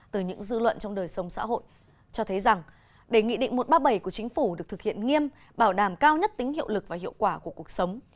từ những dư luận trong đời sống xã hội cho thấy rằng đề nghị định một trăm ba mươi bảy của chính phủ được thực hiện nghiêm bảo đảm cao nhất tính hiệu lực và hiệu quả của cuộc sống